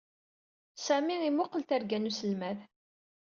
Sami imuqel targa n usselmed.